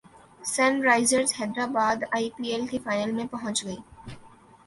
sun Risers Hyderabad I P L کے final میں پہنچ گئی